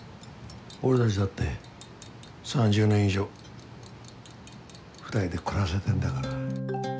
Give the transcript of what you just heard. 俺たちだって３０年以上２人で暮らせてんだから。